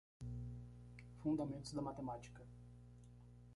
Fundamentos da matemática.